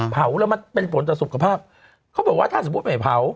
เผาแล้วมันเป็นผลต่อสุขภาพเขาบอกว่าถ้าสมมุติไม่เผา